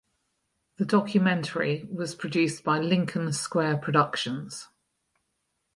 The documentary was produced by Lincoln Square Productions.